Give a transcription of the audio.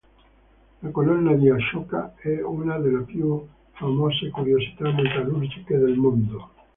La colonna di Ashoka è una delle più famose curiosità metallurgiche del mondo.